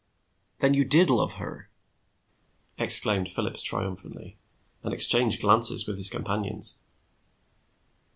"Then you did love her!" exclaimed Phillips triumphantly, and exchanged glances with his companions.